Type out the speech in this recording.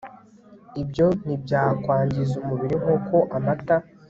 Ibyo ntibyakwangiza umubiri nkuko amata